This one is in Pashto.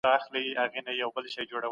د الله ج په مخلوقاتو کي فکر وکړئ.